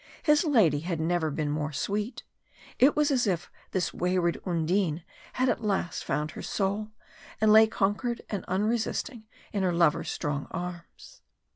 His lady had never been more sweet; it was as if this wayward Undine had at last found her soul, and lay conquered and unresisting in her lover's strong arms.